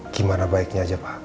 gimana baiknya aja pak